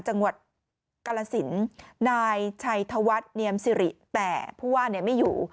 จังหวัดกาลสินนายชัยธวัฒน์เนียมสิริแต่ผู้ว่าไม่อยู่